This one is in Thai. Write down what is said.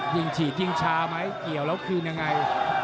ยิ่งฉีดยิ่งชาไหมเกี่ยวแล้วคืนยังไง